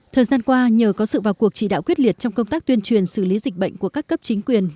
thời gian qua nhờ có sự vào cuộc chỉ đạo quyết liệt trong công tác tuyên truyền xử lý dịch bệnh của các cấp chính quyền